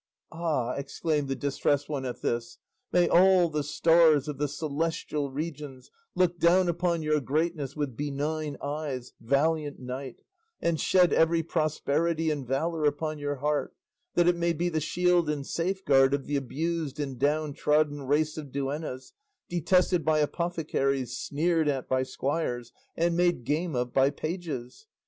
'" "Ah!" exclaimed the Distressed One at this, "may all the stars of the celestial regions look down upon your greatness with benign eyes, valiant knight, and shed every prosperity and valour upon your heart, that it may be the shield and safeguard of the abused and downtrodden race of duennas, detested by apothecaries, sneered at by squires, and made game of by pages.